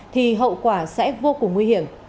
thì hậu quả sẽ vô cùng nguy hiểm